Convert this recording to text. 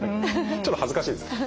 ちょっと恥ずかしいです。